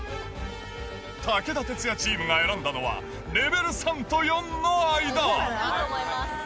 武田鉄矢チームが選んだのは、レベル３と４の間。